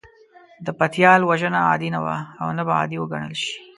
د پتيال وژنه عادي نه وه او نه به عادي وګڼل شي.